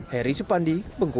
heri supandi bengkulu